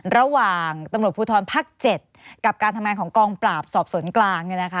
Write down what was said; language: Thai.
ระหว่างตำรวจภูทรภาค๗กับการทำงานของกองปราบสอบสวนกลาง